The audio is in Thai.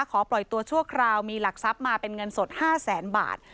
ปล่อยตัวชั่วคราวมีหลักทรัพย์มาเป็นเงินสด๕แสนบาท